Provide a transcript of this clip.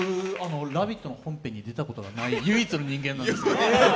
「ラヴィット！」の本編に出たことがない唯一の人間なんですけど。